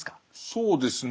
そうですね。